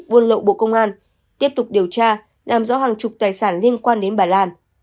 buôn lậu bộ công an tiếp tục điều tra làm rõ hàng chục tài sản liên quan đến bà lan